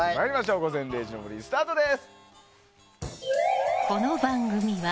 「午前０時の森」スタートです。